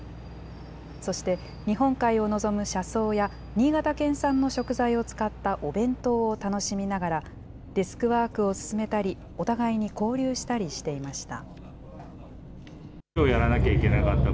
そして、日本海を臨む車窓や、新潟県産の食材を使ったお弁当を楽しみながら、デスクワークを進めたり、お互いに交流したりしていました。